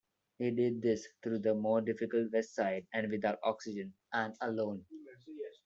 He did this through the more difficult west side and without oxygen and alone.